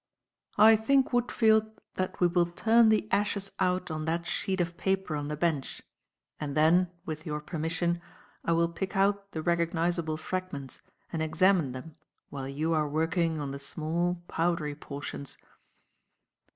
I think, Woodfield, that we will turn the ashes out on that sheet of paper on the bench, and then, with your permission, I will pick out the recognizable fragments and examine them while you are working on the small, powdery portions."